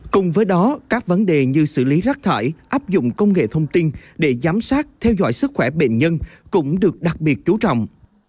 cùng với đó các vấn đề như xử lý rác thải áp dụng công nghệ thông tin để giám sát theo dõi sức khỏe bệnh nhân cũng được đặc biệt chú trọng